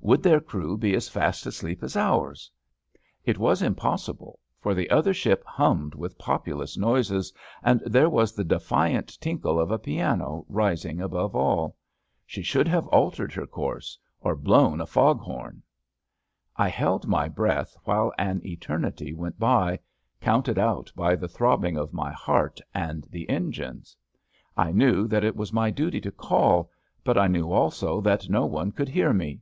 Would their crew be as fast asleep as ours? It was impossible, for the other ship hummed with populous noises, and there was the defiant tinkle of a piano rising above all. She THE BED LAMP 35 should have altered her course, or blown a fog horn. I held my breath while an eternity went by, counted out by the throbbing of my heart and the engines. I knew that it was my duty to call, but I knew also that no one could hear me.